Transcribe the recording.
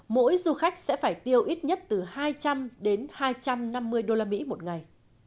mỗi du khách sẽ phải tiêu ít nhất từ hai trăm linh đến hai trăm năm mươi usd một ngày